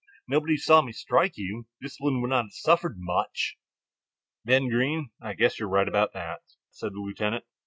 Nobody saw me strike you; discipline would not have suffered much." "Ben Greene, I guess you are right about that," said the lieutenant.